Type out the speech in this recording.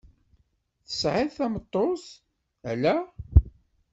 Tesɛiḍ tameṭṭut, alla?